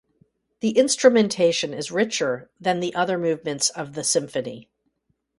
The instrumentation is richer than the other movements of the symphony.